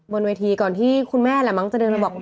บนเวทีก่อนที่คุณแม่แหละมั้งจะเดินมาบอก